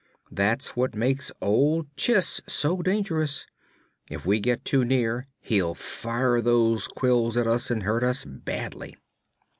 That's what makes old Chiss so dangerous. If we get too near, he'll fire those quills at us and hurt us badly."